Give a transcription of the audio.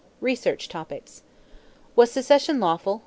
=Research Topics= =Was Secession Lawful?